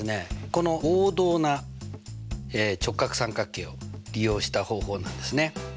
この２つの合同な直角三角形を利用した方法なんですね。